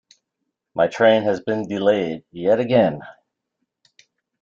My train has been delayed yet again.